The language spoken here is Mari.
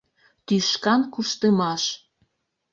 Тӱшкан куштымаш.